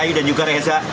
ayu dan juga reza